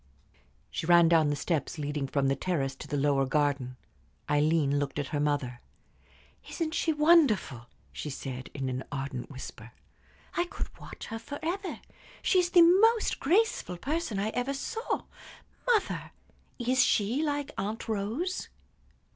She ran down the steps leading from the terrace to the lower garden. Aileen looked at her mother. "Isn't she wonderful?" she said, in an ardent whisper. "I could watch her forever. She is the most graceful person I ever saw. Mother, is she like Aunt Rose?"